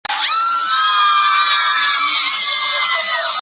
活塞在循环期间进行往复运动时。